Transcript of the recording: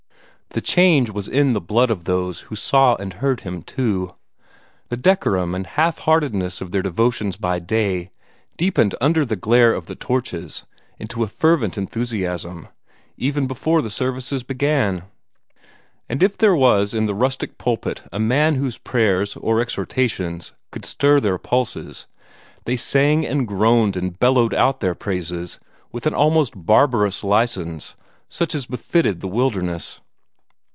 The change was in the blood of those who saw and heard him, too. The decorum and half heartedness of their devotions by day deepened under the glare of the torches into a fervent enthusiasm, even before the services began. And if there was in the rustic pulpit a man whose prayers or exhortations could stir their pulses, they sang and groaned and bellowed out their praises with an almost barbarous license, such as befitted the wilderness.